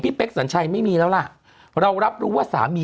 ปรากฏว่า